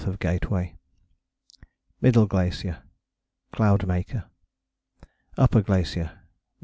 of Gateway]. Middle Glacier [Cloudmaker]. Upper Glacier [Mt.